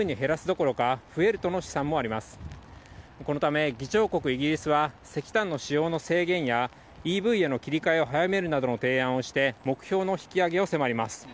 このため議長国、イギリスは石炭の使用の制限や、ＥＶへの切り替えを早めるなどの提案をして、目標の引き上げを迫ります。